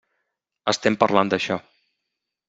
Estem parlant d'això.